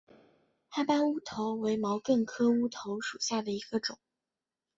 哈巴乌头为毛茛科乌头属下的一个种。